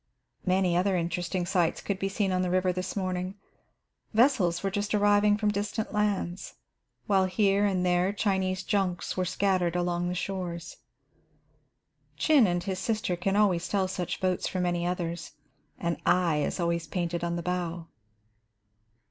Many other interesting sights could be seen on the river this morning. Vessels were just arriving from distant lands, while here and there Chinese junks were scattered along the shores. Chin and his sister can always tell such boats from any others. An eye is always painted on the bow.